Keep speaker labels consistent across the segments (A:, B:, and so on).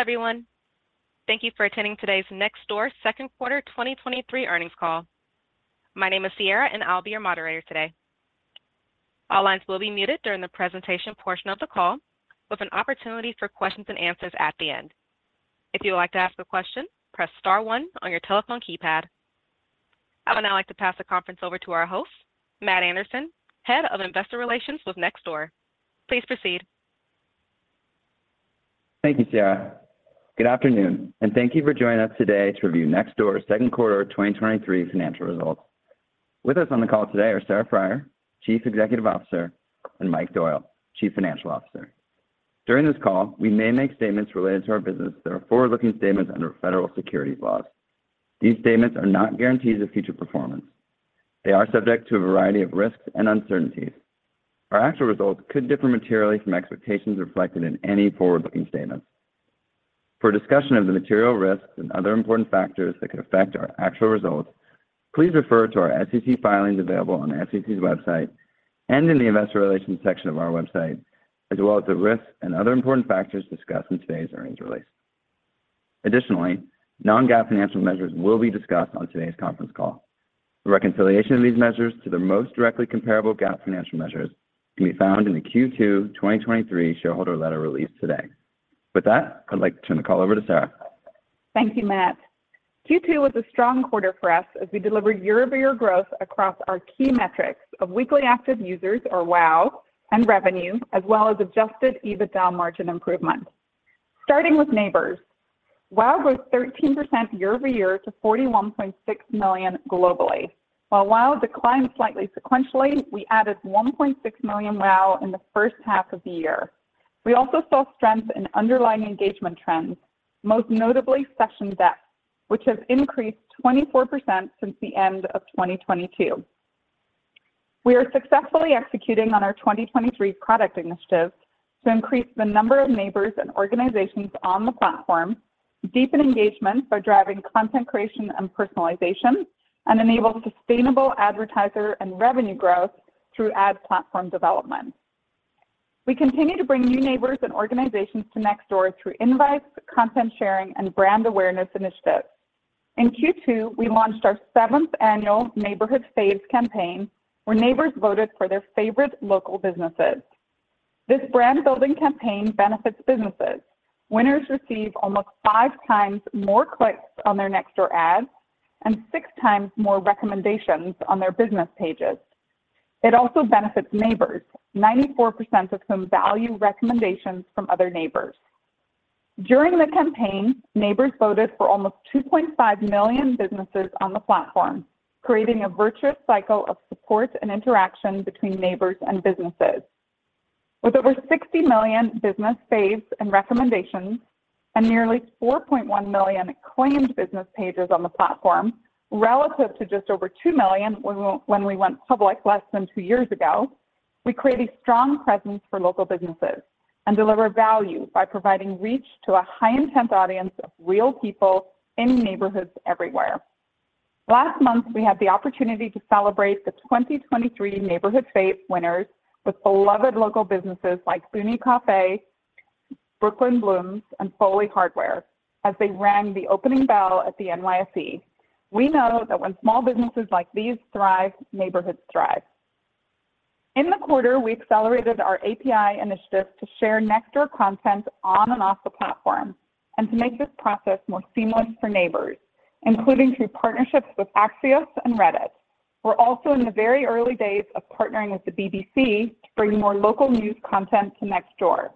A: Everyone, thank you for attending today's Nextdoor Q2 2023 earnings call. My name is Sierra, and I'll be your moderator today. All lines will be muted during the presentation portion of the call, with an opportunity for questions and answers at the end. If you would like to ask a question, press star one on your telephone keypad. I would now like to pass the conference over to our host, Matt Anderson, Head of Investor Relations with Nextdoor. Please proceed.
B: Thank you, Sierra. Good afternoon, and thank you for joining us today to review Nextdoor's Q2 of 2023 financial results. With us on the call today are Sarah Friar, Chief Executive Officer, and Mike Doyle, Chief Financial Officer. During this call, we may make statements related to our business that are forward-looking statements under federal securities laws. These statements are not guarantees of future performance. They are subject to a variety of risks and uncertainties. Our actual results could differ materially from expectations reflected in any forward-looking statements. For a discussion of the material risks and other important factors that could affect our actual results, please refer to our SEC filings available on the SEC's website and in the Investor Relations section of our website, as well as the risks and other important factors discussed in today's earnings release. Additionally, non-GAAP financial measures will be discussed on today's conference call. The reconciliation of these measures to their most directly comparable GAAP financial measures can be found in the Q2 2023 shareholder letter released today. With that, I'd like to turn the call over to Sarah.
C: Thank you, Matt. Q2 was a strong quarter for us as we delivered year-over-year growth across our key metrics of Weekly Active Users, or WAU, and revenue, as well as adjusted EBITDA margin improvement. Starting with neighbors, WAU grew 13% year-over-year to 41.6 million globally. While WAU declined slightly sequentially, we added 1.6 million WAU in the first half of the year. We also saw strength in underlying engagement trends, most notably session depth, which has increased 24% since the end of 2022. We are successfully executing on our 2023 product initiatives to increase the number of neighbors and organizations on the platform, deepen engagement by driving content creation and personalization, and enable sustainable advertiser and revenue growth through ad platform development. We continue to bring new neighbors and organizations to Nextdoor through invites, content sharing, and brand awareness initiatives. In Q2, we launched our 7th annual Neighborhood Faves campaign, where neighbors voted for their favorite local businesses. This brand-building campaign benefits businesses. Winners receive almost 5x times more clicks on their Nextdoor ads and 6x more recommendations on their business pages. It also benefits neighbors. 94% of them value recommendations from other neighbors. During the campaign, neighbors voted for almost 2.5 million businesses on the platform, creating a virtuous cycle of support and interaction between neighbors and businesses. With over 60 million business faves and recommendations and nearly 4.1 million claimed business pages on the platform, relative to just over two million when we went public less than two years ago, we create a strong presence for local businesses and deliver value by providing reach to a high intent audience of real people in neighborhoods everywhere. Last month, we had the opportunity to celebrate the 2023 Neighborhood Faves winners with beloved local businesses like Buunni Coffee, Brooklyn Blooms, and Foley Hardware as they rang the opening bell at the NYSE. We know that when small businesses like these thrive, neighborhoods thrive. In the quarter, we accelerated our API initiatives to share Nextdoor content on and off the platform and to make this process more seamless for neighbors, including through partnerships with Axios and Reddit. We're also in the very early days of partnering with the BBC to bring more local news content to Nextdoor.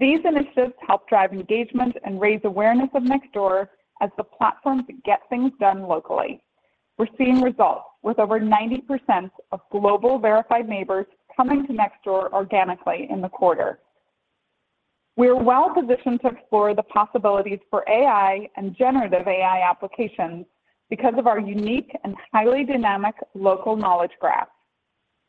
C: These initiatives help drive engagement and raise awareness of Nextdoor as the platform to get things done locally. We're seeing results with over 90% of global verified neighbors coming to Nextdoor organically in the quarter. We're well positioned to explore the possibilities for AI and generative AI applications because of our unique and highly dynamic local knowledge graph.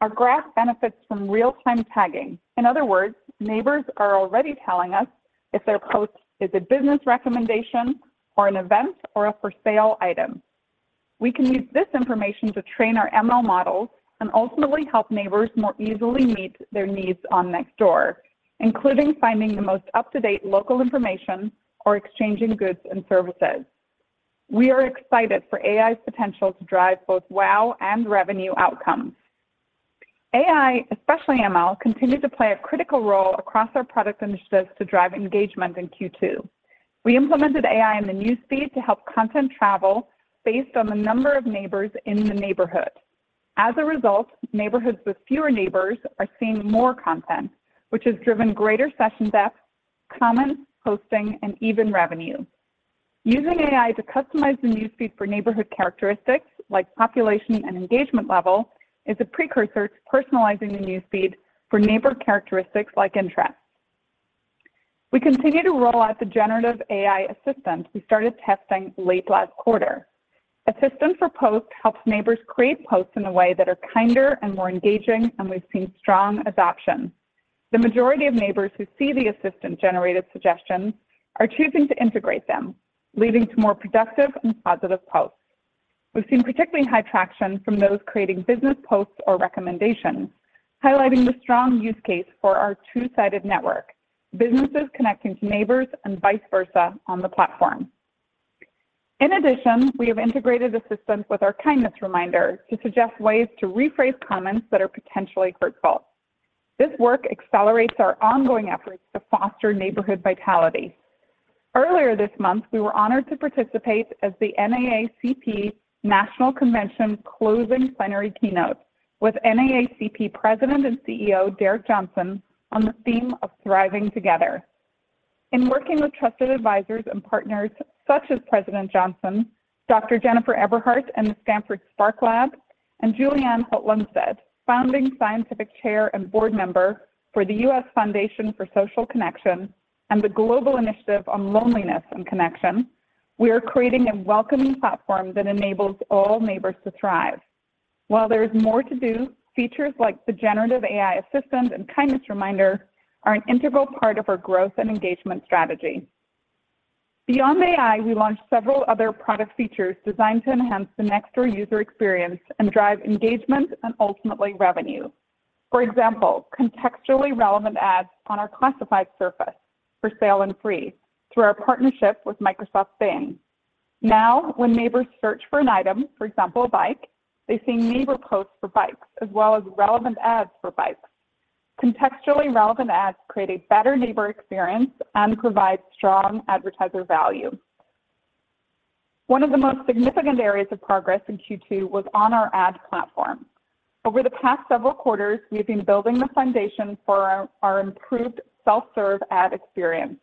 C: Our graph benefits from real-time tagging. In other words, neighbors are already telling us if their post is a business recommendation or an event or a for sale item. We can use this information to train our ML models and ultimately help neighbors more easily meet their needs on Nextdoor, including finding the most up-to-date local information or exchanging goods and services. We are excited for AI's potential to drive both WOW and revenue outcomes. AI, especially ML, continued to play a critical role across our product initiatives to drive engagement in Q2. We implemented AI in the newsfeed to help content travel based on the number of neighbors in the neighborhood. As a result, neighborhoods with fewer neighbors are seeing more content, which has driven greater session depth, comments, posting, and even revenue. Using AI to customize the newsfeed for neighborhood characteristics like population and engagement level is a precursor to personalizing the newsfeed for neighbor characteristics like interest. We continue to roll out the generative AI assistant we started testing late last quarter. Assistant for Post helps neighbors create posts in a way that are kinder and more engaging, and we've seen strong adoption. The majority of neighbors who see the assistant-generated suggestions are choosing to integrate them, leading to more productive and positive posts. We've seen particularly high traction from those creating business posts or recommendations, highlighting the strong use case for our two-sided network, businesses connecting to neighbors and vice versa on the platform. In addition, we have integrated assistance with our Kindness Reminder to suggest ways to rephrase comments that are potentially hurtful. This work accelerates our ongoing efforts to foster neighborhood vitality. Earlier this month, we were honored to participate as the NAACP National Convention closing plenary keynote with NAACP President and CEO, Derrick Johnson, on the theme of thriving together. In working with trusted advisors and partners such as President Johnson, Dr. Jennifer Eberhardt, and the Stanford SPARQ Lab, and Julianne Holt-Lunstad, Founding Scientific Chair and Board Member for the U.S. Foundation for Social Connection and the Global Initiative on Loneliness and Connection, we are creating a welcoming platform that enables all neighbors to thrive. While there is more to do, features like the generative AI assistant and Kindness Reminder are an integral part of our growth and engagement strategy. Beyond AI, we launched several other product features designed to enhance the Nextdoor user experience and drive engagement and ultimately, revenue. For example, contextually relevant ads on our classified surface For Sale and Free through our partnership with Microsoft Bing. When neighbors search for an item, for example, a bike, they see neighbor posts for bikes, as well as relevant ads for bikes. Contextually relevant ads create a better neighbor experience and provide strong advertiser value. One of the most significant areas of progress in Q2 was on our ad platform. Over the past several quarters, we have been building the foundation for our improved self-serve ad experience,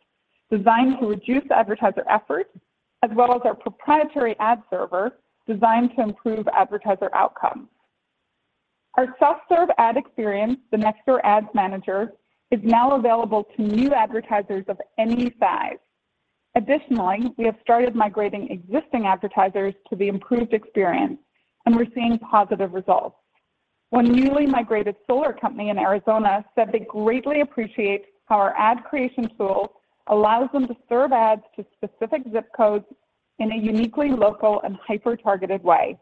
C: designed to reduce advertiser effort, as well as our proprietary ad server, designed to improve advertiser outcomes. Our self-serve ad experience, the Nextdoor Ads Manager, is now available to new advertisers of any size. Additionally, we have started migrating existing advertisers to the improved experience, and we're seeing positive results. One newly migrated solar company in Arizona said they greatly appreciate how our ad creation tool allows them to serve ads to specific zip codes in a uniquely local and hyper-targeted way.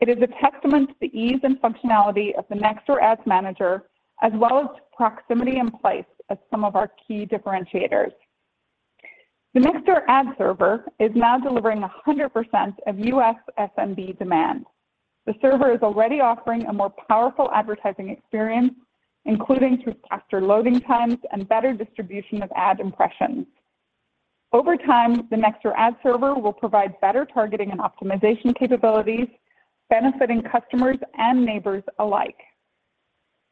C: It is a testament to the ease and functionality of the Nextdoor Ads Manager, as well as proximity and place as some of our key differentiators. The Nextdoor ad server is now delivering 100% of US SMB demand. The server is already offering a more powerful advertising experience, including through faster loading times and better distribution of ad impressions. Over time, the Nextdoor ad server will provide better targeting and optimization capabilities, benefiting customers and neighbors alike.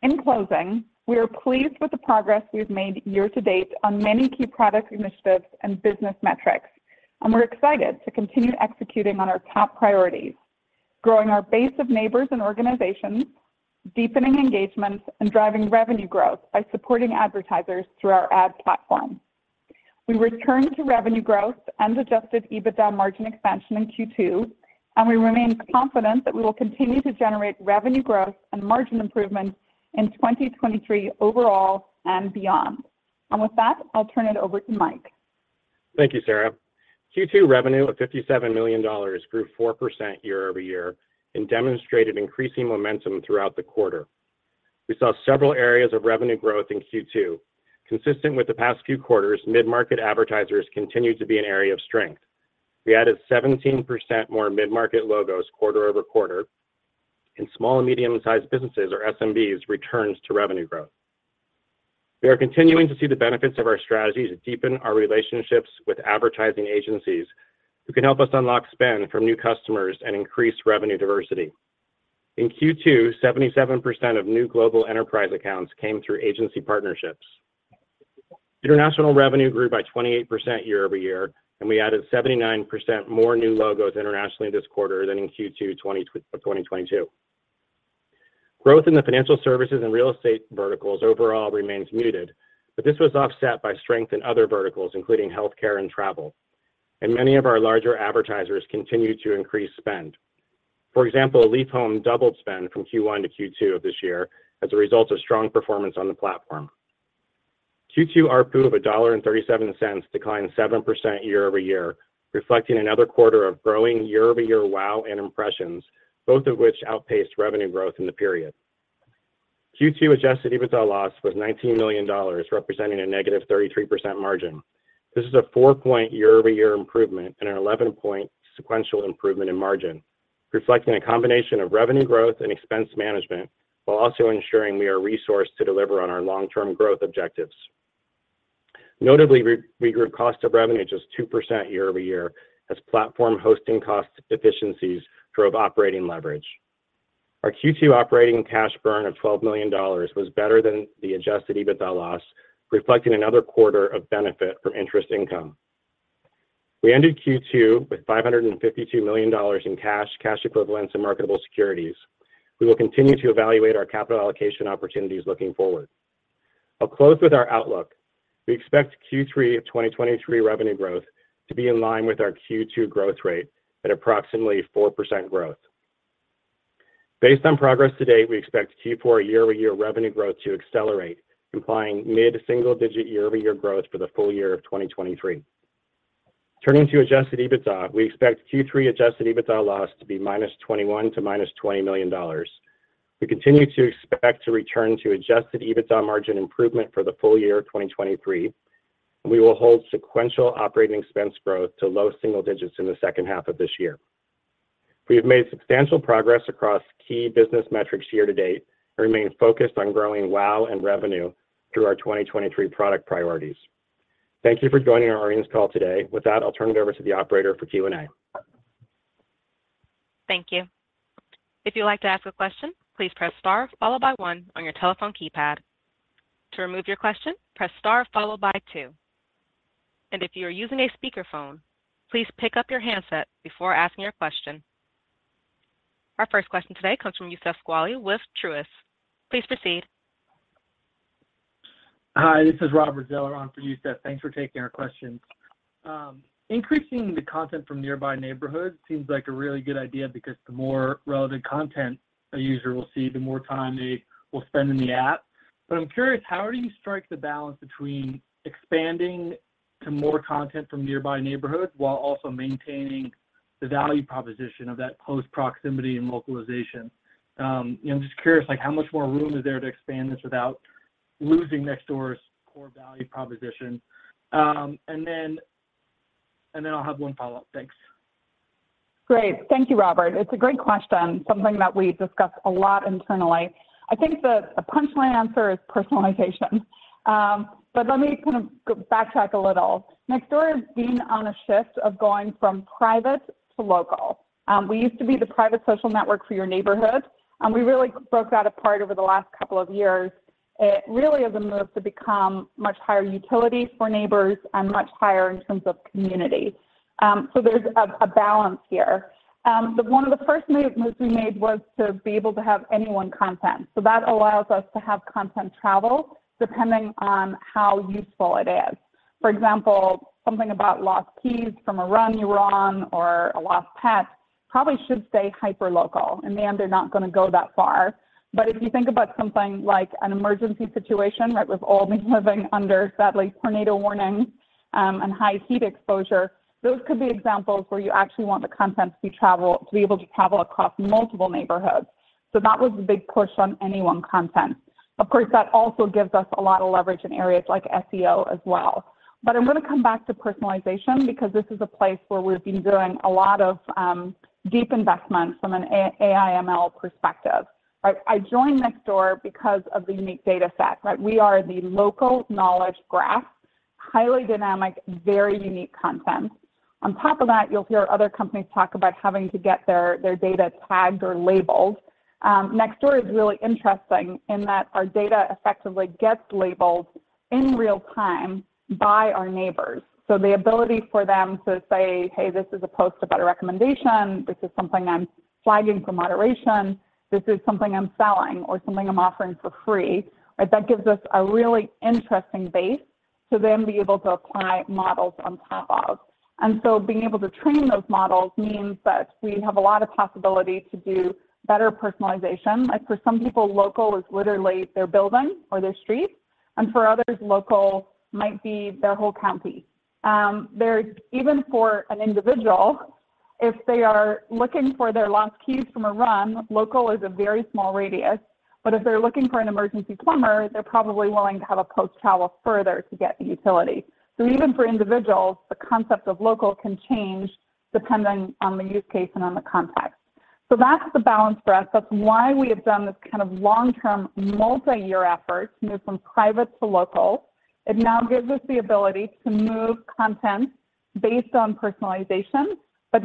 C: In closing, we are pleased with the progress we've made year to date on many key product initiatives and business metrics, and we're excited to continue executing on our top priorities, growing our base of neighbors and organizations, deepening engagement, and driving revenue growth by supporting advertisers through our ad platform. We returned to revenue growth and adjusted EBITDA margin expansion in Q2, and we remain confident that we will continue to generate revenue growth and margin improvement in 2023 overall and beyond. With that, I'll turn it over to Mike.
D: Thank you, Sarah. Q2 revenue of $57 million grew 4% year-over-year and demonstrated increasing momentum throughout the quarter. We saw several areas of revenue growth in Q2. Consistent with the past few quarters, mid-market advertisers continued to be an area of strength. We added 17% more mid-market logos quarter-over-quarter, and small and medium-sized businesses or SMBs, returns to revenue growth. We are continuing to see the benefits of our strategy to deepen our relationships with advertising agencies, who can help us unlock spend from new customers and increase revenue diversity. In Q2, 77% of new global enterprise accounts came through agency partnerships. International revenue grew by 28% year-over-year, and we added 79% more new logos internationally this quarter than in Q2 2022. Growth in the financial services and real estate verticals overall remains muted, but this was offset by strength in other verticals, including healthcare and travel. Many of our larger advertisers continued to increase spend. For example, Leaf Home doubled spend from Q1 to Q2 of this year as a result of strong performance on the platform. Q2 ARPU of $1.37 declined 7% year-over-year, reflecting another quarter of growing year-over-year WAU and impressions, both of which outpaced revenue growth in the period. Q2 adjusted EBITDA loss was $19 million, representing a -33% margin. This is a four point year-over-year improvement and an 11-point sequential improvement in margin, reflecting a combination of revenue growth and expense management, while also ensuring we are resourced to deliver on our long-term growth objectives. Notably, we grew cost of revenue just 2% year-over-year as platform hosting cost efficiencies drove operating leverage. Our Q2 operating cash burn of $12 million was better than the adjusted EBITDA loss, reflecting another quarter of benefit from interest income. We ended Q2 with $552 million in cash, cash equivalents, and marketable securities. We will continue to evaluate our capital allocation opportunities looking forward. I'll close with our outlook. We expect Q3 of 2023 revenue growth to be in line with our Q2 growth rate at approximately 4% growth. Based on progress to date, we expect Q4 year-over-year revenue growth to accelerate, implying mid-single digit year-over-year growth for the full year of 2023. Turning to adjusted EBITDA, we expect Q3 adjusted EBITDA loss to be -$21 million to -$20 million. We continue to expect to return to adjusted EBITDA margin improvement for the full year of 2023, and we will hold sequential operating expense growth to low single digits in the second half of this year. We have made substantial progress across key business metrics year to date, and remain focused on growing WAU and revenue through our 2023 product priorities. Thank you for joining our earnings call today. With that, I'll turn it over to the operator for Q&A.
A: Thank you. If you'd like to ask a question, please press star followed by one on your telephone keypad. To remove your question, press star followed by two. If you are using a speakerphone, please pick up your handset before asking your question. Our first question today comes from Youssef Squali with Truist. Please proceed.
E: Hi, this is Robert Zeller on for Yousef. Thanks for taking our questions. Increasing the content from nearby neighborhoods seems like a really good idea because the more relevant content a user will see, the more time they will spend in the app. I'm curious, how do you strike the balance between expanding to more content from nearby neighborhoods, while also maintaining the value proposition of that post proximity and localization? I'm just curious, how much more room is there to expand this without losing Nextdoor's core value proposition? Then I'll have one follow-up. Thanks.
C: Great. Thank you, Robert. It's a great question, something that we discuss a lot internally. I think the, the punchline answer is personalization. Let me kind of go backtrack a little. Nextdoor is being on a shift of going from private to local. We used to be the private social network for your neighborhood, and we really broke that apart over the last couple of years. It really is a move to become much higher utility for neighbors and much higher in terms of community. There's a, a balance here. One of the first moves we made was to be able to have anyone content. That allows us to have content travel depending on how useful it is. For example, something about lost keys from a run you were on or a lost pet probably should stay hyper-local, and man, they're not gonna go that far. If you think about something like an emergency situation, right, with all of us living under, sadly, tornado warnings, and high heat exposure, those could be examples where you actually want the content to travel to be able to travel across multiple neighborhoods. That was a big push on anyone content. Of course, that also gives us a lot of leverage in areas like SEO as well. I'm gonna come back to personalization because this is a place where we've been doing a lot of deep investments from an AI ML perspective, right? I joined Nextdoor because of the unique data set, right? We are the local knowledge graph, highly dynamic, very unique content. On top of that, you'll hear other companies talk about having to get their, their data tagged or labeled. Nextdoor is really interesting in that our data effectively gets labeled in real time by our neighbors. The ability for them to say, "Hey, this is a post about a recommendation, this is something I'm flagging for moderation, this is something I'm selling or something I'm offering for free." Right? That gives us a really interesting base to then be able to apply models on top of. Being able to train those models means that we have a lot of possibility to do better personalization. Like for some people, local is literally their building or their street, and for others, local might be their whole county. There's even for an individual, if they are looking for their lost keys from a run, local is a very small radius, but if they're looking for an emergency plumber, they're probably willing to have a post travel further to get the utility. Even for individuals, the concept of local can change depending on the use case and on the context. That's the balance for us. That's why we have done this kind of long-term, multi-year effort to move from private to local. It now gives us the ability to move content based on personalization.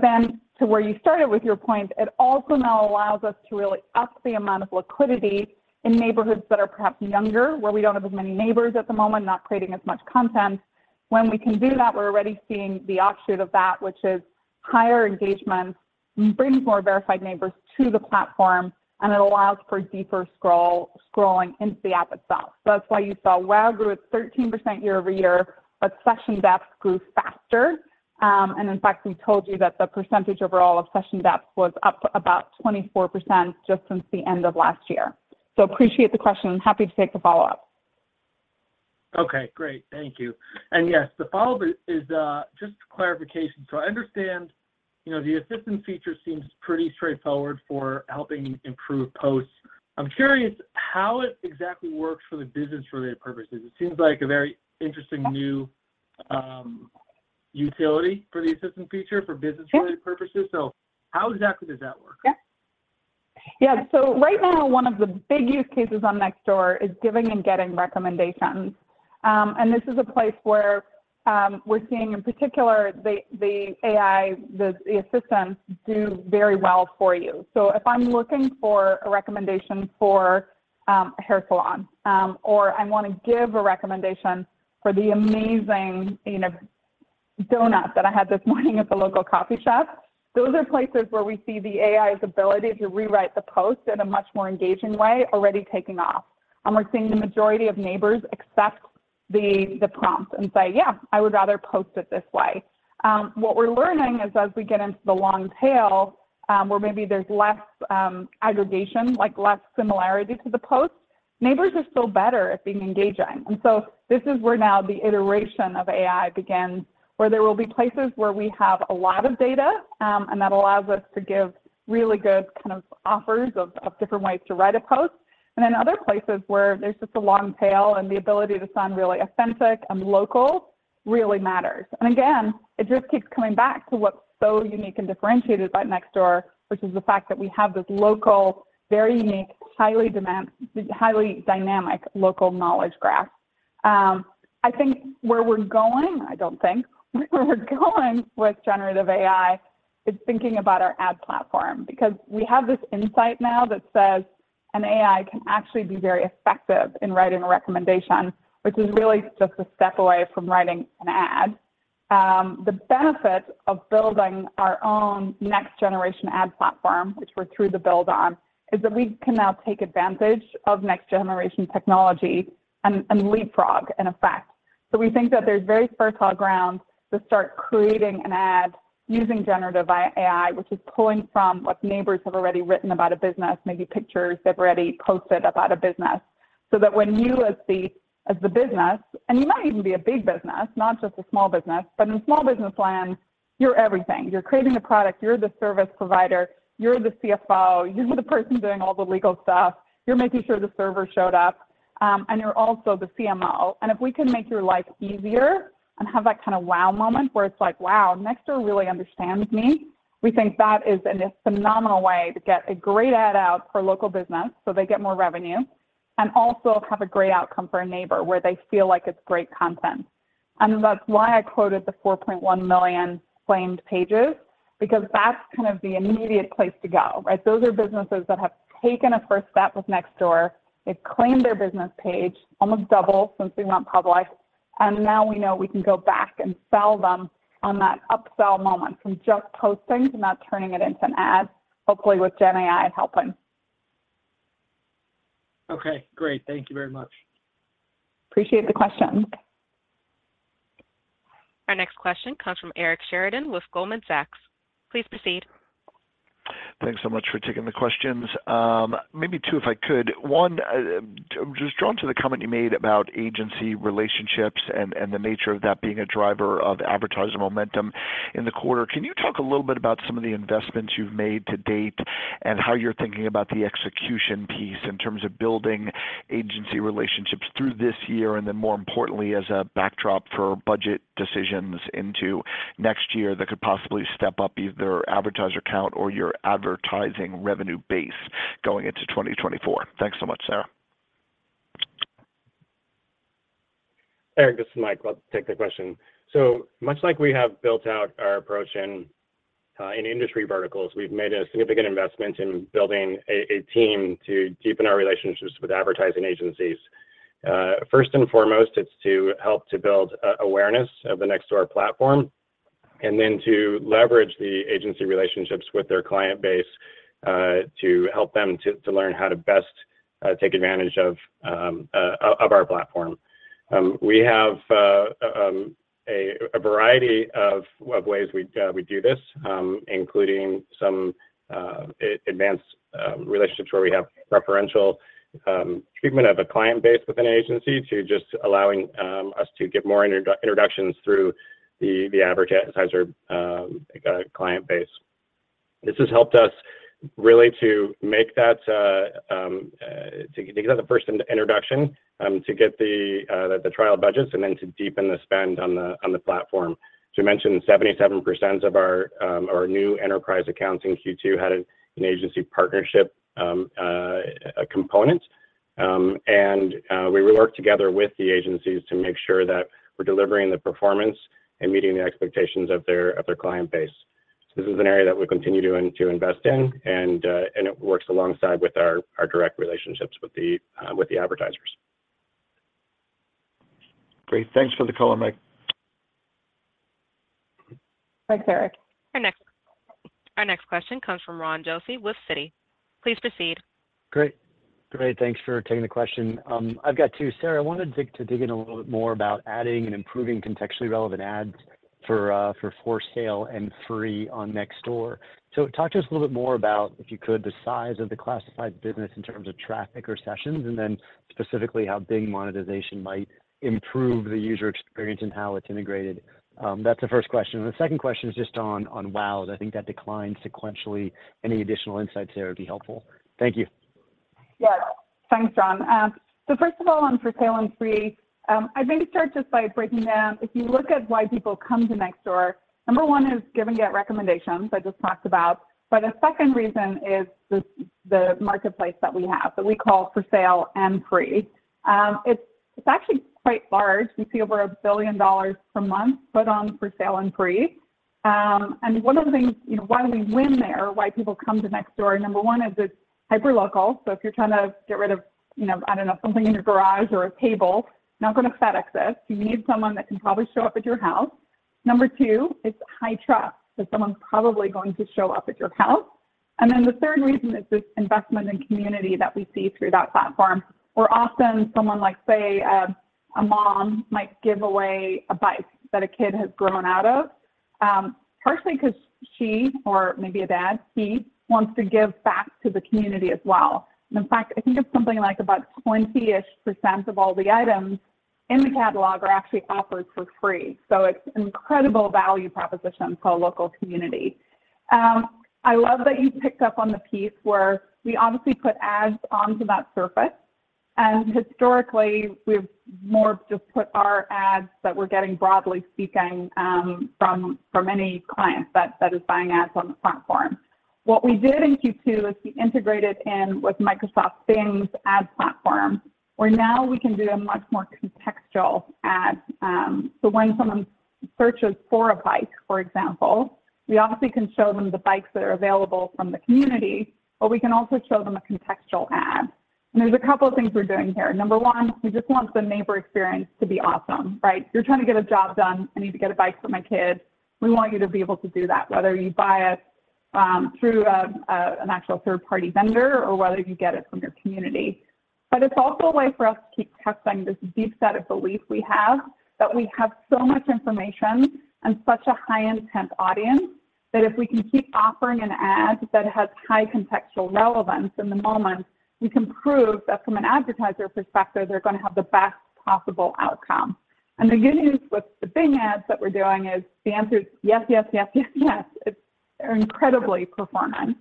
C: Then to where you started with your point, it also now allows us to really up the amount of liquidity in neighborhoods that are perhaps younger, where we don't have as many neighbors at the moment, not creating as much content. When we can do that, we're already seeing the offshoot of that, which is higher engagement, brings more verified neighbors to the platform, and it allows for deeper scroll, scrolling into the app itself. That's why you saw WAU grew at 13% year-over-year, but session depth grew faster. In fact, we told you that the percentage overall of session depth was up about 24% just since the end of last year. Appreciate the question, and happy to take the follow-up.
E: Okay, great. Thank you. Yes, the follow-up is, just clarification. I understand, you know, the assistant feature seems pretty straightforward for helping improve posts. I'm curious how it exactly works for the business-related purposes. It seems like a very interesting new, utility for the assistant feature for business-
C: Yeah.
E: related purposes. How exactly does that work?
C: Yeah. Right now, one of the big use cases on Nextdoor is giving and getting recommendations. This is a place where we're seeing in particular, the, the AI, the, the assistants do very well for you. If I'm looking for a recommendation for a hair salon, or I wanna give a recommendation for the amazing, you know, donut that I had this morning at the local coffee shop, those are places where we see the AI's ability to rewrite the post in a much more engaging way, already taking off. We're seeing the majority of neighbors accept the prompt and say, "Yeah, I would rather post it this way." What we're learning is as we get into the long tail, where maybe there's less aggregation, like less similarity to the post, neighbors are still better at being engaging. This is where now the iteration of AI begins, where there will be places where we have a lot of data, and that allows us to give really good kind of offers of, of different ways to write a post. Other places where there's just a long tail, and the ability to sound really authentic and local really matters. Again, it just keeps coming back to what's so unique and differentiated by Nextdoor, which is the fact that we have this local, very unique, highly demand, highly dynamic local knowledge graph. I think where we're going, I don't think, where we're going with generative AI is thinking about our ad platform. We have this insight now that says an AI can actually be very effective in writing a recommendation, which is really just a step away from writing an ad. The benefit of building our own next generation ad platform, which we're through the build on, is that we can now take advantage of next generation technology and leapfrog, in effect. We think that there's very fertile grounds to start creating an ad using generative AI, which is pulling from what neighbors have already written about a business, maybe pictures they've already posted about a business. That when you, as the business, and you might even be a big business, not just a small business, but in small business land, you're everything. You're creating the product, you're the service provider, you're the CFO, you're the person doing all the legal stuff, you're making sure the server showed up, and you're also the CMO. If we can make your life easier and have that kind of wow moment where it's like, "Wow, Nextdoor really understands me," we think that is an phenomenal way to get a great ad out for local business, so they get more revenue, and also have a great outcome for a neighbor, where they feel like it's great content. That's why I quoted the 4.1 million claimed pages, because that's kind of the immediate place to go, right? Those are businesses that have taken a first step with Nextdoor. They've claimed their business page, almost double since we went public, and now we know we can go back and sell them on that upsell moment, from just posting to now turning it into an ad, hopefully with GenAI helping.
E: Okay, great. Thank you very much.
C: Appreciate the question.
A: Our next question comes from Eric Sheridan with Goldman Sachs. Please proceed.
F: Thanks so much for taking the questions. Maybe two, if I could. One, I'm just drawn to the comment you made about agency relationships and, and the nature of that being a driver of advertiser momentum in the quarter. Can you talk a little bit about some of the investments you've made to date, and how you're thinking about the execution piece in terms of building agency relationships through this year? More importantly, as a backdrop for budget decisions into next year, that could possibly step up either advertiser count or your advertising revenue base going into 2024. Thanks so much, Sarah.
D: Eric, this is Mike. I'll take the question. Much like we have built out our approach in industry verticals, we've made a significant investment in building a team to deepen our relationships with advertising agencies. First and foremost, it's to help to build awareness of the Nextdoor platform, and then to leverage the agency relationships with their client base, to help them to learn how to best take advantage of our platform. We have a variety of ways we do this, including some advanced relationships where we have preferential treatment of a client base with an agency, to just allowing us to get more introductions through the advertiser client base. This has helped us really to make that to get that first introduction, to get the trial budgets, and then to deepen the spend on the platform. As we mentioned, 77% of our new enterprise accounts in Q2 had an agency partnership component. We work together with the agencies to make sure that we're delivering the performance and meeting the expectations of their client base. This is an area that we continue to invest in, and it works alongside with our direct relationships with the advertisers.
F: Great. Thanks for the call, Mike.
C: Thanks, Eric.
A: Our next, our next question comes from Ron Josey with Citi. Please proceed.
G: Great. Great, thanks for taking the question. I've got two. Sarah, I wanted to, to dig in a little bit more about adding and improving contextually relevant ads for For Sale and Free on Nextdoor. Talk to us a little bit more about, if you could, the size of the classified business in terms of traffic or sessions, and then specifically how Bing monetization might improve the user experience and how it's integrated. That's the first question. The second question is just on, on WAU, I think that declined sequentially. Any additional insights there would be helpful. Thank you.
C: Yes. Thanks, Ron. First of all, on For Sale and Free, I'd maybe start just by breaking down. If you look at why people come to Nextdoor, number one is give and get recommendations, I just talked about. The second reason is the marketplace that we have, that we call For Sale and Free. It's actually quite large. We see over $1 billion per month put on For Sale and Free. One of the things, you know, why we win there, why people come to Nextdoor, number one, is it's hyperlocal. If you're trying to get rid of, you know, I don't know, something in your garage or a table, not gonna FedEx it. You need someone that can probably show up at your house. Number two, it's high trust, so someone's probably going to show up at your house. The third reason is this investment in community that we see through that platform, where often someone like, say, a mom might give away a bike that a kid has grown out of, partially 'cause she or maybe a dad, he wants to give back to the community as well. In fact, I think it's something like about 20-ish% of all the items in the catalog are actually offered for free. It's an incredible value proposition for a local community. I love that you picked up on the piece where we obviously put ads onto that surface, and historically, we've more just put our ads that we're getting, broadly speaking, from, from any client that, that is buying ads on the platform. What we did in Q2 is we integrated in with Microsoft Bing's ad platform, where now we can do a much more contextual ad. When someone searches for a bike, for example, we obviously can show them the bikes that are available from the community, but we can also show them a contextual ad. There's a couple of things we're doing here. Number one, we just want the neighbor experience to be awesome, right? You're trying to get a job done. I need to get a bike for my kid. We want you to be able to do that, whether you buy it, through an actual third-party vendor or whether you get it from your community. It's also a way for us to keep testing this deep set of belief we have, that we have so much information and such a high intent audience, that if we can keep offering an ad that has high contextual relevance in the moment, we can prove that from an advertiser perspective, they're gonna have the best possible outcome. The good news with the Bing ads that we're doing is the answer is yes, yes, yes, yes, yes. They're incredibly performing.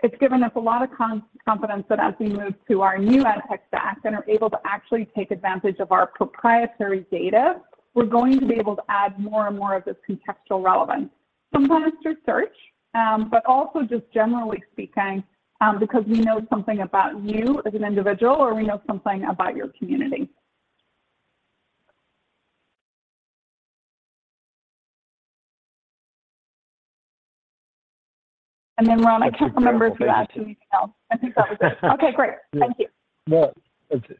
C: It's given us a lot of confidence that as we move to our new ad tech stack and are able to actually take advantage of our proprietary data, we're going to be able to add more and more of this contextual relevance, sometimes through search, but also just generally speaking, because we know something about you as an individual, or we know something about your community. Then, Ron, I can't remember if you asked anything else.
G: I think you covered it.
C: I think that was it. Okay, great. Thank you.
G: No, that's it.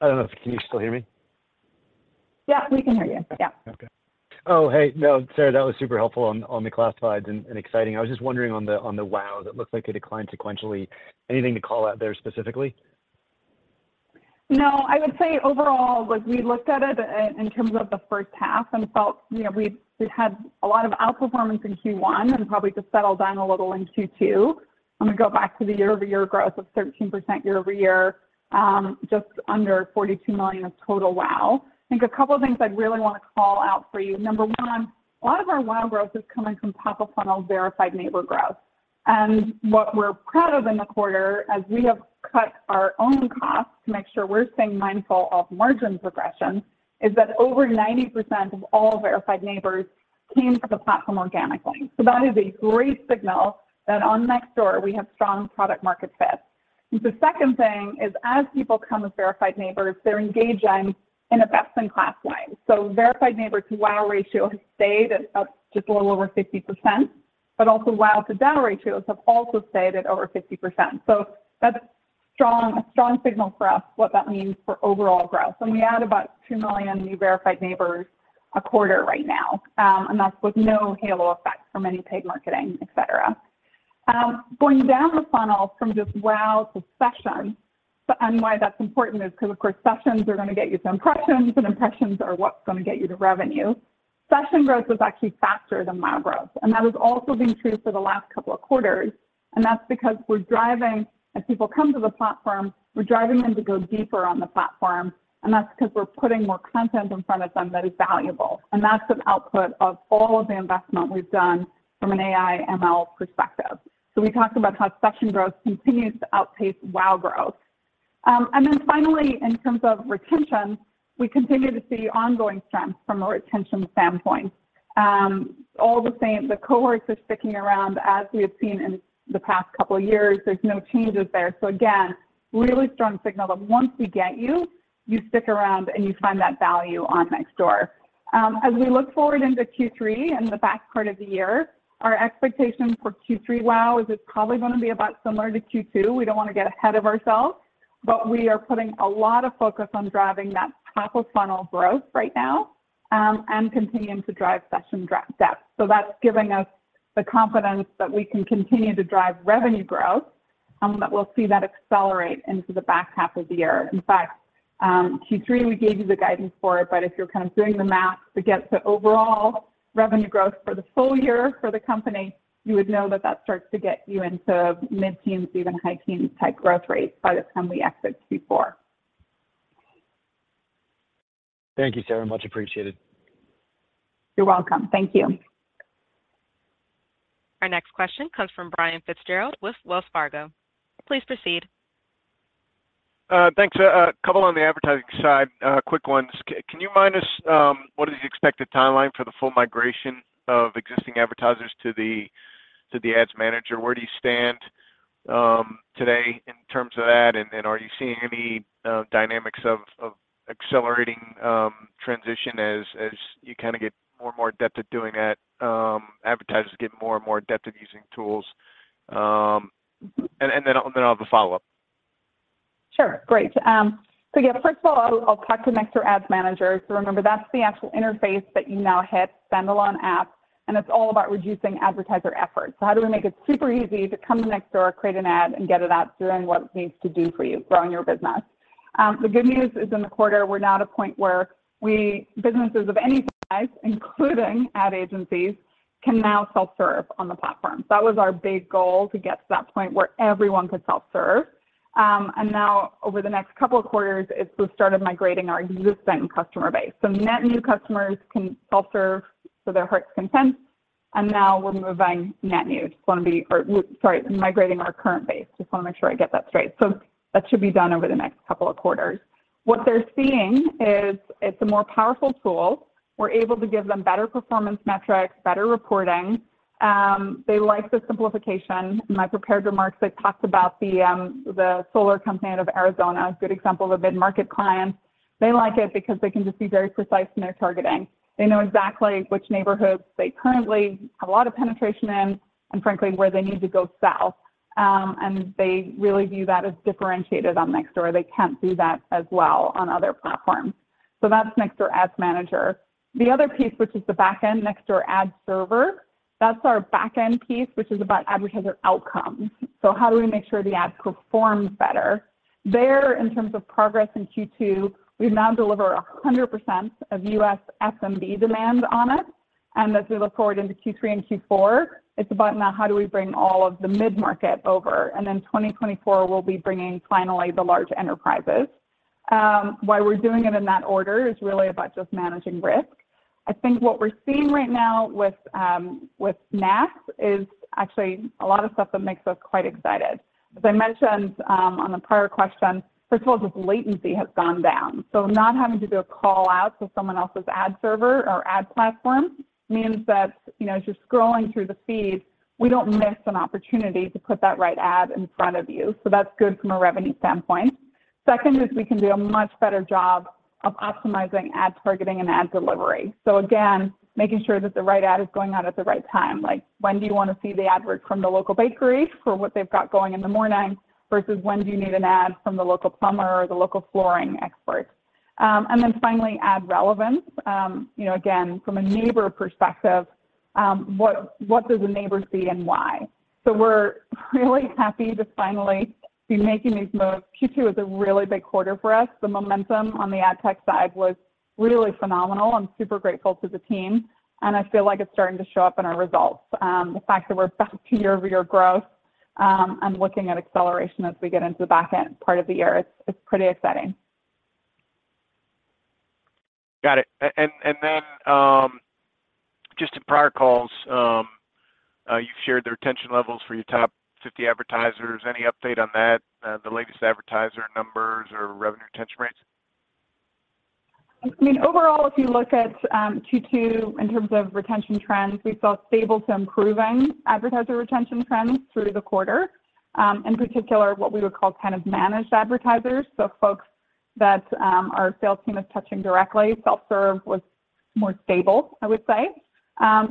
G: I don't know if... Can you still hear me?
C: Yeah, we can hear you. Yeah.
G: Okay. Oh, hey, no, Sarah, that was super helpful on, on the classifieds and, and exciting. I was just wondering on the, on the WAUs, it looks like it declined sequentially. Anything to call out there specifically?
C: No. I would say overall, like, we looked at it in terms of the first half and felt, you know, we'd had a lot of outperformance in Q1 and probably just settled down a little in Q2. I'm gonna go back to the year-over-year growth of 13% year over year, just under $42 million of total WOW. I think a couple of things I'd really want to call out for you. Number one, a lot of our WOW growth is coming from top-of-funnel Verified Neighbor growth. What we're proud of in the quarter, as we have cut our own costs to make sure we're staying mindful of margin progression, is that over 90% of all Verified Neighbors came to the platform organically. That is a great signal that on Nextdoor, we have strong product-market fit. The second thing is, as people come as Verified Neighbors, they're engaging in a best-in-class way. Verified Neighbor to WAU ratio has stayed at just a little over 50%, but also WAU to DAU ratios have also stayed at over 50%. That's strong, a strong signal for us, what that means for overall growth. We add about 2 million new Verified Neighbors a quarter right now, and that's with no halo effect from any paid marketing, et cetera. Going down the funnel from just WAU to session, why that's important is because, of course, sessions are gonna get you some impressions, and impressions are what's gonna get you to revenue. Session growth was actually faster than WAU growth, and that has also been true for the last couple of quarters, and that's because we're driving. As people come to the platform, we're driving them to go deeper on the platform, and that's because we're putting more content in front of them that is valuable. That's an output of all of the investment we've done from an AI, ML perspective. We talked about how session growth continues to outpace WAU growth. Then finally, in terms of retention, we continue to see ongoing strength from a retention standpoint. All the same, the cohorts are sticking around as we have seen in the past couple of years. There's no changes there. Again, really strong signal that once we get you, you stick around, and you find that value on Nextdoor. As we look forward into Q3 and the back part of the year, our expectation for Q3 WAU is it's probably gonna be about similar to Q2. We don't want to get ahead of ourselves, but we are putting a lot of focus on driving that top-of-funnel growth right now, and continuing to drive session depth. That's giving us the confidence that we can continue to drive revenue growth, that we'll see that accelerate into the back half of the year. In fact, Q3, we gave you the guidance for it, but if you're kind of doing the math to get to overall revenue growth for the full year for the company, you would know that that starts to get you into mid-teens, even high teens type growth rates by the time we exit Q4.
G: Thank you, Sarah. Much appreciated.
C: You're welcome. Thank you.
A: Our next question comes from Brian Fitzgerald with Wells Fargo. Please proceed.
H: Thanks. A couple on the advertising side, quick ones. Can you mind us, what is the expected timeline for the full migration of existing advertisers to the Nextdoor Ads Manager? Where do you stand today in terms of that, and, and are you seeing any dynamics of accelerating transition as, as you kinda get more and more adept at doing that, advertisers get more and more adept at using tools? And then, and then I'll have a follow-up.
C: Sure, great. Yeah, first of all, I'll, I'll talk to Nextdoor Ads Manager. Remember, that's the actual interface that you now hit, standalone app, and it's all about reducing advertiser effort. How do we make it super easy to come to Nextdoor, create an ad, and get it out doing what it needs to do for you, growing your business? The good news is, in the quarter, we're now at a point where we, businesses of any size, including ad agencies, can now self-serve on the platform. That was our big goal, to get to that point where everyone could self-serve. Now over the next couple of quarters, is we've started migrating our existing customer base. Net new customers can self-serve to their heart's content, and now we're moving net new. Just wanna be... or sorry, migrating our current base. Just wanna make sure I get that straight. That should be done over the next couple of quarters. What they're seeing is it's a more powerful tool. We're able to give them better performance metrics, better reporting. They like the simplification. In my prepared remarks, I talked about the solar company out of Arizona, a good example of a mid-market client. They like it because they can just be very precise in their targeting. They know exactly which neighborhoods they currently have a lot of penetration in, and frankly, where they need to go south. They really view that as differentiated on Nextdoor. They can't do that as well on other platforms. That's Nextdoor Ads Manager. The other piece, which is the back end, Nextdoor Ad Server, that's our back end piece, which is about advertiser outcomes. How do we make sure the ads perform better? There, in terms of progress in Q2, we now deliver 100% of U.S. SMB demand on it, and as we look forward into Q3 and Q4, it's about now how do we bring all of the mid-market over? Then 2024, we'll be bringing, finally, the large enterprises. Why we're doing it in that order is really about just managing risk. I think what we're seeing right now with NAS is actually a lot of stuff that makes us quite excited. As I mentioned, on the prior question, first of all, just latency has gone down. Not having to do a call out to someone else's ad server or ad platform means that, you know, as you're scrolling through the feed, we don't miss an opportunity to put that right ad in front of you. That's good from a revenue standpoint. Second is we can do a much better job of optimizing ad targeting and ad delivery. Again, making sure that the right ad is going out at the right time. Like, when do you wanna see the advert from the local bakery for what they've got going in the morning, versus when do you need an ad from the local plumber or the local flooring expert? And then finally, ad relevance. You know, again, from a neighbor perspective, what, what does a neighbor see and why? We're really happy to finally be making these moves. Q2 was a really big quarter for us. The momentum on the ad tech side was really phenomenal. I'm super grateful to the team, and I feel like it's starting to show up in our results. The fact that we're back to year-over-year growth, and looking at acceleration as we get into the back end part of the year, it's pretty exciting.
H: Got it. Then, just in prior calls, you've shared the retention levels for your top 50 advertisers. Any update on that, the latest advertiser numbers or revenue retention rates?
C: I mean, overall, if you look at Q2 in terms of retention trends, we saw stable to improving advertiser retention trends through the quarter. In particular, what we would call kind of managed advertisers, so folks that our sales team is touching directly. Self-serve was more stable, I would say.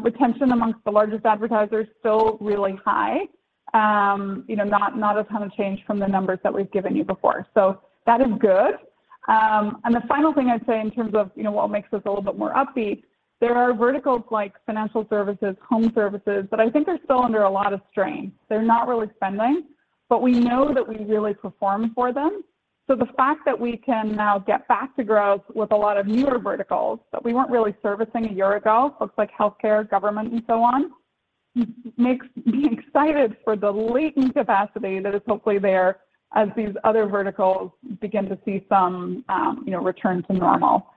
C: Retention amongst the largest advertisers, still really high. You know, not a ton of change from the numbers that we've given you before, so that is good. The final thing I'd say in terms of, you know, what makes us a little bit more upbeat, there are verticals like financial services, home services, that I think are still under a lot of strain. They're not really spending, but we know that we really perform for them. The fact that we can now get back to growth with a lot of newer verticals that we weren't really servicing a year ago, folks like healthcare, government, and so on, makes me excited for the latent capacity that is hopefully there as these other verticals begin to see some, you know, return to normal.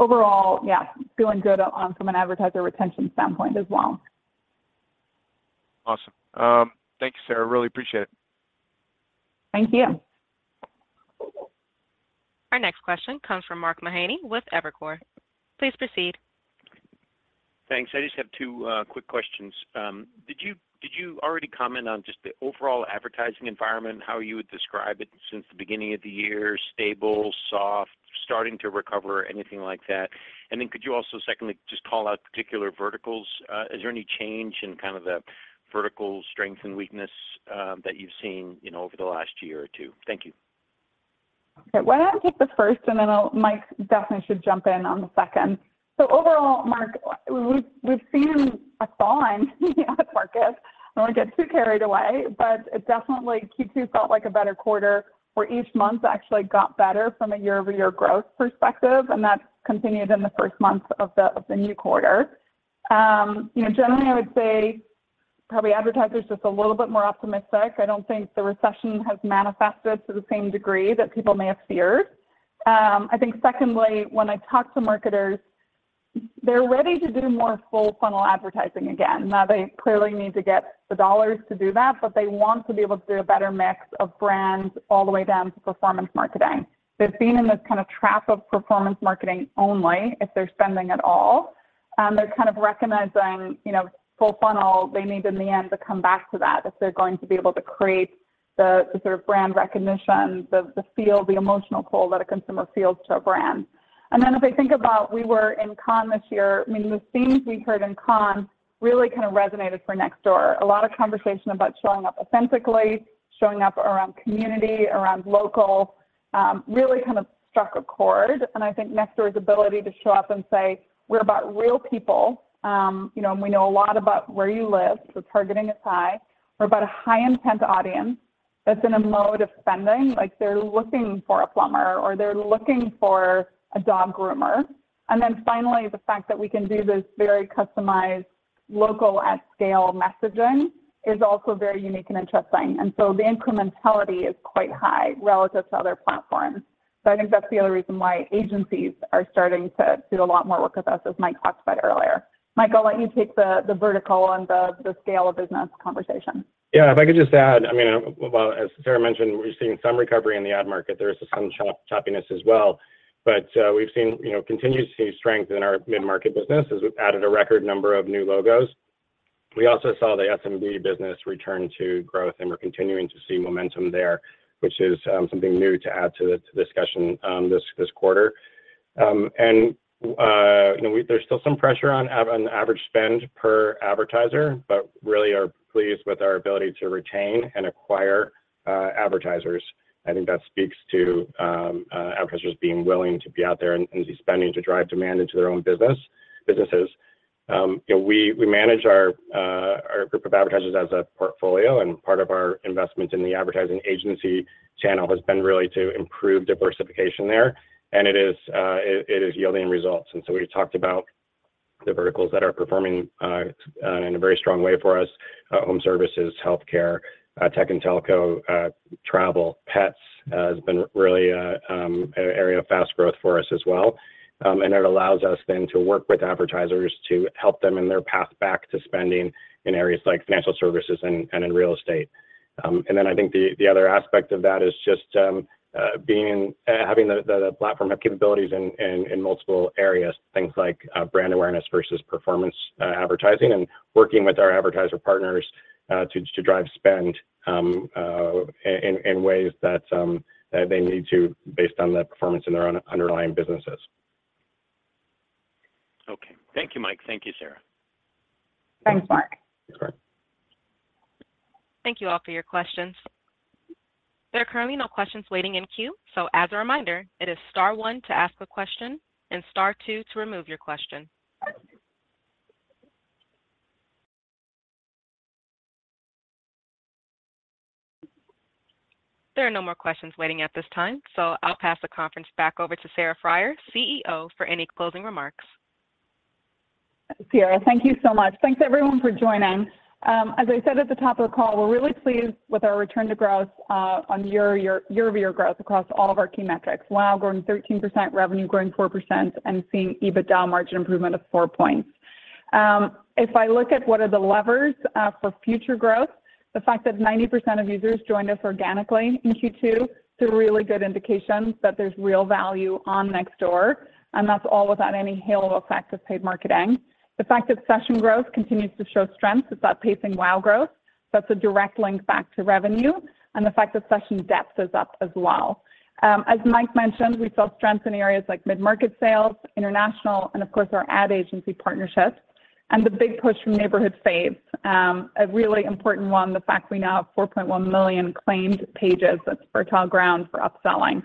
C: Overall, yeah, doing good on from an advertiser retention standpoint as well.
H: Awesome. Thank you, Sarah. Really appreciate it.
C: Thank you.
A: Our next question comes from Mark Mahaney with Evercore. Please proceed.
I: Thanks. I just have two quick questions. Did you, did you already comment on just the overall advertising environment and how you would describe it since the beginning of the year? Stable, soft, starting to recover, anything like that? Could you also secondly just call out particular verticals? Is there any change in kind of the vertical strength and weakness that you've seen, you know, over the last year or two? Thank you.
C: Okay. Why don't I take the first, and then I'll. Mike definitely should jump in on the second. Overall, Mark, w- we've, we've seen a thaw in the market. I don't wanna get too carried away, but it definitely Q2 felt like a better quarter, where each month actually got better from a year-over-year growth perspective, and that's continued in the first month of the, of the new quarter. You know, generally, I would say probably advertisers are just a little bit more optimistic. I don't think the recession has manifested to the same degree that people may have feared. I think secondly, when I talk to marketers, they're ready to do more full-funnel advertising again. Now, they clearly need to get the dollars to do that, but they want to be able to do a better mix of brands all the way down to performance marketing. They've been in this kind of trap of performance marketing only, if they're spending at all, and they're kind of recognizing, you know, full funnel, they need in the end to come back to that if they're going to be able to create the, the sort of brand recognition, the, the feel, the emotional pull that a consumer feels to a brand. Then if I think about we were in Cannes this year, I mean, the themes we heard in Cannes really kind of resonated for Nextdoor. A lot of conversation about showing up authentically, showing up around community, around local, really kind of struck a chord. I think Nextdoor's ability to show up and say, "We're about real people, you know, and we know a lot about where you live," so targeting is high. We're about a high-intent audience that's in a mode of spending, like they're looking for a plumber or they're looking for a dog groomer. Finally, the fact that we can do this very customized local at-scale messaging is also very unique and interesting. The incrementality is quite high relative to other platforms. I think that's the other reason why agencies are starting to do a lot more work with us, as Mike talked about earlier. Mike, I'll let you take the, the vertical on the, the scale of business conversation.
D: Yeah, if I could just add, I mean, well, as Sarah mentioned, we've seen some recovery in the ad market. There is some chop, choppiness as well. We've seen, you know, continue to see strength in our mid-market business, as we've added a record number of new logos. We also saw the SMB business return to growth, and we're continuing to see momentum there, which is something new to add to the, to the discussion, this, this quarter. You know, we- there's still some pressure on av- on average spend per advertiser, but really are pleased with our ability to retain and acquire advertisers. I think that speaks to advertisers being willing to be out there and, and be spending to drive demand into their own business, businesses. You know, we, we manage our group of advertisers as a portfolio, and part of our investment in the advertising agency channel has been really to improve diversification there, and it is yielding results. We talked about the verticals that are performing in a very strong way for us, home services, healthcare, tech and telco, travel. Pets has been really an area of fast growth for us as well. It allows us then to work with advertisers to help them in their path back to spending in areas like financial services and in real estate. I think the other aspect of that is just being- having the, the, the platform have capabilities in, in, in multiple areas, things like, brand awareness versus performance, advertising, and working with our advertiser partners, to, to drive spend, in, in ways that, that they need to based on the performance in their own underlying businesses.
I: Okay. Thank you, Mike. Thank you, Sarah.
C: Thanks, Mark.
D: Sure.
A: Thank you all for your questions. There are currently no questions waiting in queue, so as a reminder, it is star one to ask a question and star two to remove your question. There are no more questions waiting at this time, so I'll pass the conference back over to Sarah Friar, CEO, for any closing remarks.
C: Sarah, thank you so much. Thanks, everyone, for joining. As I said at the top of the call, we're really pleased with our return to growth on year-over-year growth across all of our key metrics. WAU growing 13%, revenue growing 4%, and seeing EBITDA margin improvement of four points. If I look at what are the levers for future growth, the fact that 90% of users joined us organically in Q2 is a really good indication that there's real value on Nextdoor, and that's all without any halo effect of paid marketing. The fact that session growth continues to show strength, it's out pacing WAU growth, that's a direct link back to revenue, and the fact that session depth is up as well. As Mike mentioned, we saw strength in areas like mid-market sales, international, and of course, our ad agency partnerships and the big push from Neighborhood Faves. A really important one, the fact we now have 4.1 million claimed pages, that's fertile ground for upselling.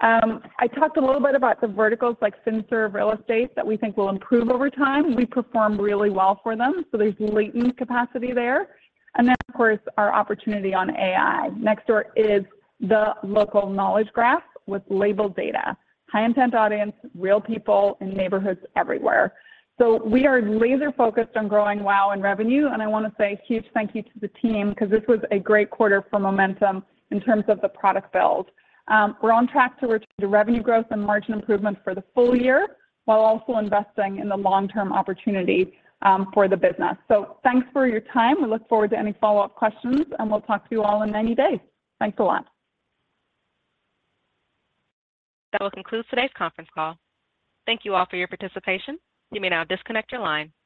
C: I talked a little about the verticals like finserv, real estate, that we think will improve over time. We perform really well for them, so there's latent capacity there. Of course, our opportunity on AI. Nextdoor is the local knowledge graph with labeled data, high-intent audience, real people in neighborhoods everywhere. We are laser focused on growing WAU and revenue, and I wanna say a huge thank you to the team, 'cause this was a great quarter for momentum in terms of the product build. We're on track to return to revenue growth and margin improvement for the full year, while also investing in the long-term opportunity for the business. Thanks for your time. We look forward to any follow-up questions. We'll talk to you all in 90 days. Thanks a lot.
A: That will conclude today's conference call. Thank you all for your participation. You may now disconnect your line.